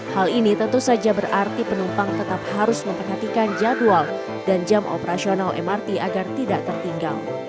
hal ini tentu saja berarti penumpang tetap harus memperhatikan jadwal dan jam operasional mrt agar tidak tertinggal